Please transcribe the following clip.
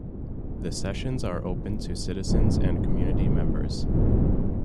The sessions are open to Citizens and community members.